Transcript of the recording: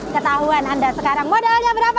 ketahuan anda sekarang modalnya berapa